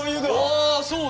あそうだ！